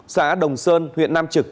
xã đồng sơn huyện nam trọng